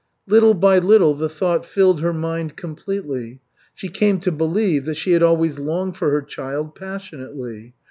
Little by little the thought filled her mind completely. She came to believe that she had always longed for her child passionately.